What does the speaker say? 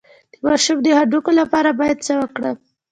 د ماشوم د هډوکو لپاره باید څه وکړم؟